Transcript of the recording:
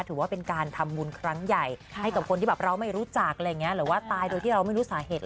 ถือว่าเป็นการทำบุญครั้งใหญ่ให้กับคนที่แบบเราไม่รู้จักอะไรอย่างนี้หรือว่าตายโดยที่เราไม่รู้สาเหตุ